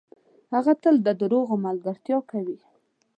هغه تل ده دروغو ملګرتیا کوي .